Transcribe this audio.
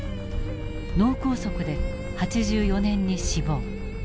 脳梗塞で８４年に死亡。